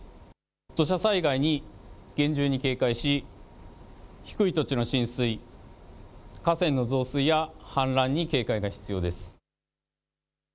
土砂災害に厳重に警戒し低い土地の浸水、河川の増水や氾濫に警戒が必要です。